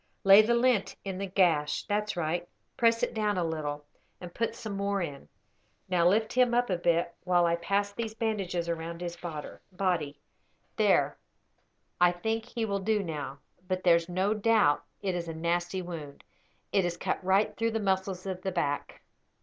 Lay the lint in the gash. That's right. Press it down a little, and put some more in. Now lift him up a bit, while I pass these bandages round his body. There; I think he will do now; but there's no doubt it is a nasty wound. It has cut right through the muscles of the back.